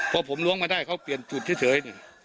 พอผมล้วงมาได้เขาเปลี่ยนจุดเฉยนี่